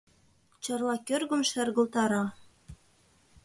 Чарла кӧргым шергылтара